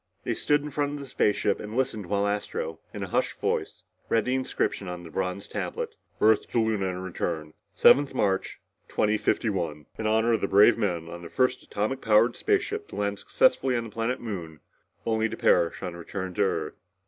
They stood in front of the spaceship and listened while Astro, in a hushed voice, read the inscription on the bronze tablet. " Earth to Luna and return. 7th March 2051. In honor of the brave men of the first atomic powered spaceship to land successfully on the planet Moon, only to perish on return to Earth...."